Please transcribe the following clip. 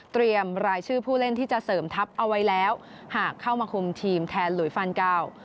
รายชื่อผู้เล่นที่จะเสริมทัพเอาไว้แล้วหากเข้ามาคุมทีมแทนหลุยฟันเก้า